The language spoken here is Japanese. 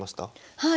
はい。